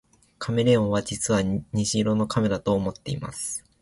カメレオンは実は虹色の亀だと思っています